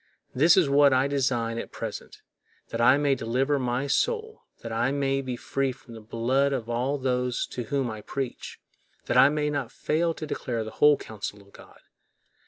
This is what I design at present, that I may deliver my soul, that I may be free from the blood of all those to whom I preach—that I may not fail to declare the whole counsel of God.